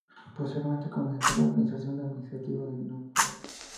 Posteriormente comenzó la organización administrativa del nuevo poblado.